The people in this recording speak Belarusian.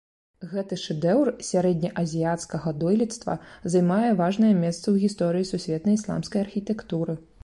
Гэты шэдэўр сярэднеазіяцкага дойлідства займае важнае месца ў гісторыі сусветнай ісламскай архітэктуры.